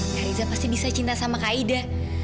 dan kak riza pasti bisa cinta sama kak ida